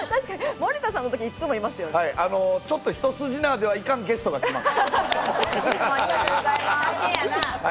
僕のロケはいつも、ちょっと一筋縄ではいかんゲストが来ます。